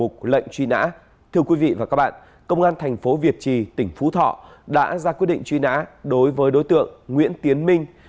bộ công an huyện cẩm khê tỉnh phú thọ đồng ý tạo ra quyết định truy nã đối với đối tượng nguyễn tiến minh